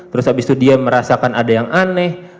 terus abis itu dia merasakan ada yang aneh